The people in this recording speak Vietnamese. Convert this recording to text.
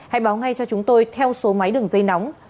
hãy báo ngay cho chúng tôi theo số máy đường dây nóng